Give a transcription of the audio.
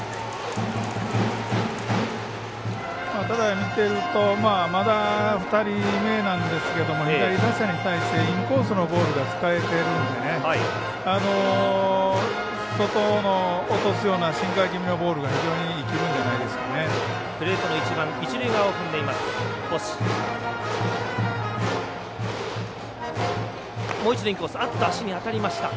見てるとまだ２人目なんですけど左打者に対してインコースのボールが使えているので外に落とすようなシンカー気味のボールが非常に生きるんじゃないでしょうかね。